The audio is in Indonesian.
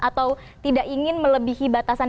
atau tidak ingin melebihi batasan